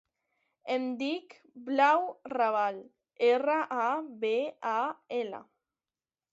Em dic Blau Rabal: erra, a, be, a, ela.